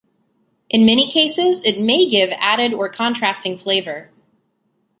In many cases, it may give added or contrasting flavor.